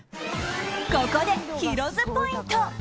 ここで、ヒロ’ｓポイント。